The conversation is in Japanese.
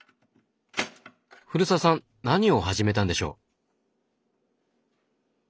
古澤さん何を始めたんでしょう？